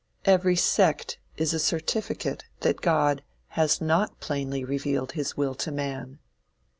Every sect is a certificate that God has not plainly revealed his will to man.